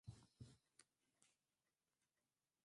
kulipa ankara za nishati za watu ambao hawana uwezo kifedha